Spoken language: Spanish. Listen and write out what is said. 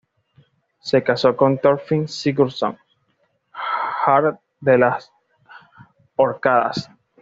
Se casó con Thorfinn Sigurdsson, jarl de las Órcadas.